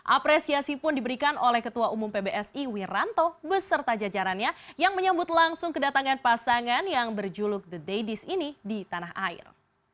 apresiasi pun diberikan oleh ketua umum pbsi wiranto beserta jajarannya yang menyambut langsung kedatangan pasangan yang berjuluk the daddies ini di tanah air